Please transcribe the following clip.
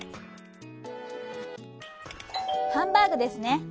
「ハンバーグ」ですね。